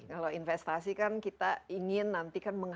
kalau investasi kan kita ingin nanti kan